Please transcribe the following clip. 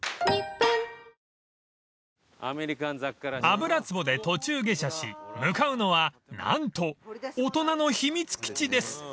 ［油壺で途中下車し向かうのは何と大人の秘密基地です］